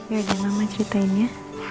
ya udah mama ceritain ya